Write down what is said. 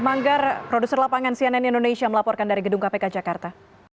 manggar produser lapangan cnn indonesia melaporkan dari gedung kpk jakarta